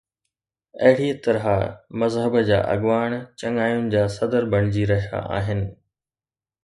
اهڙيءَ طرح مذهب جا اڳواڻ چڱاين جا صدر بڻجي رهيا آهن.